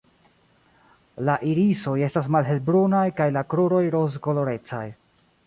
La irisoj estas malhelbrunaj kaj la kruroj rozkolorecaj.